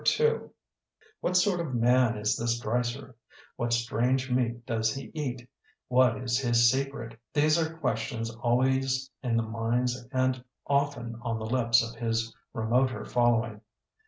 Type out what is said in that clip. II What sort of man is this Dreiser? What strange meat does he eat? What is his secret? These are questions al ways in the minds and often on the lips of his remoter following.